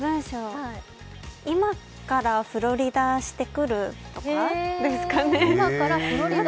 今からフロリダしてくるとかですかね。